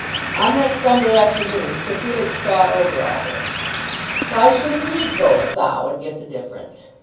On that Sunday afternoon Sir Felix thought over all this. "Why shouldn't he 'go a thou,' and get the difference?"